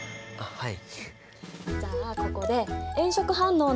はい。